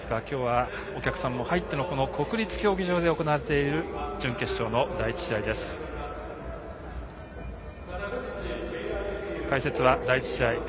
今日はお客さんも入っての国立競技場で行われている準決勝の第１試合。